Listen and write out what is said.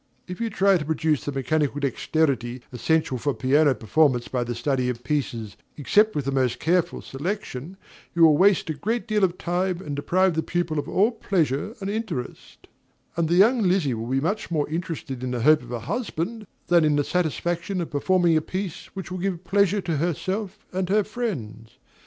If you try to produce the mechanical dexterity essential for piano performance by the study of pieces, except with the most careful selection, you will waste a great deal of time and deprive the pupil of all pleasure and interest; and the young Lizzie will be much more interested in the hope of a husband than in the satisfaction of performing a piece which will give pleasure to herself and her friends.